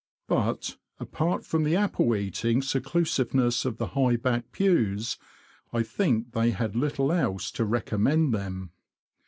But, apart from the apple eating seclusiveness of the high backed pews, I think they had little else to recom mend them.